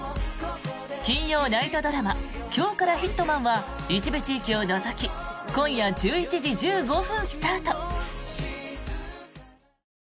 金曜ナイトドラマ「今日からヒットマン」は一部地域を除き今夜１１時１５分スタート。